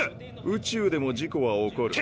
宇宙でも事故は起こる。